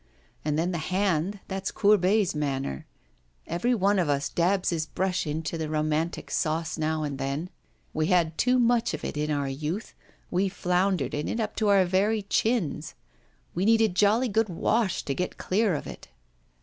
And then the hand, that's Courbet's manner. Everyone of us dabs his brush into the romantic sauce now and then. We had too much of it in our youth, we floundered in it up to our very chins. We need a jolly good wash to get clear of it.